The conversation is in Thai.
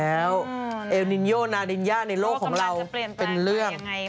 แล้วเอลนินโยนานินย่าในโลกของเราเป็นเรื่อง